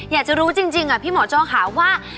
อยากจะรู้จริงพี่หมอโจ้ค่ะว่า